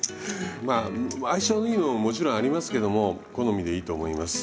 まあ相性のいいのももちろんありますけども好みでいいと思います。